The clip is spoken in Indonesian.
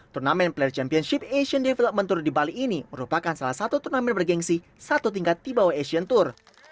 turnamen player championship asian development tour di bali ini merupakan salah satu turnamen bergensi satu tingkat di bawah asian tour